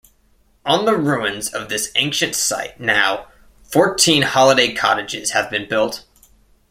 On the ruins of this ancient site now fourteen holiday cottages have been built.